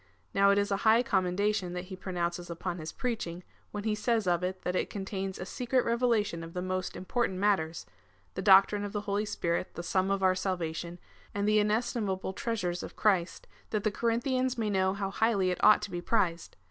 Now it is a high commendation that he pronounces upon his preaching, when he says of it that it contains a secret revelation of the most important matters — the doctrine of the Holy Spirit, the sum of our salvation, and the inestimable treasures of Christ, that the Corinthians may know how highly it ought to be prized.